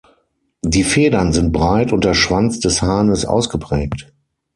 Die Federn sind breit und der Schwanz des Hahnes ausgeprägt.